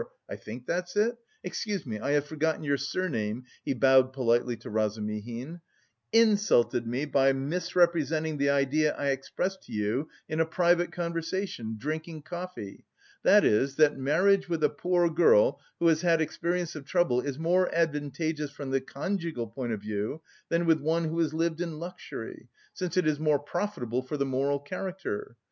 I think that's it? excuse me I have forgotten your surname," he bowed politely to Razumihin) "insulted me by misrepresenting the idea I expressed to you in a private conversation, drinking coffee, that is, that marriage with a poor girl who has had experience of trouble is more advantageous from the conjugal point of view than with one who has lived in luxury, since it is more profitable for the moral character.